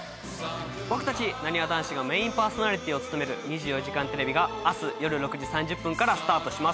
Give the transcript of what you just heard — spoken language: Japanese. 僕たちなにわ男子がメインパーソナリティーを務める『２４時間テレビ』が明日夜６時３０分からスタートします。